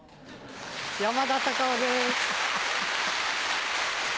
山田隆夫です。